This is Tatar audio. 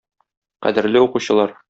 Кадерле укучылар!